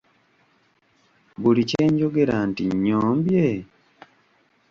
Buli kye njogera nti nnyombye!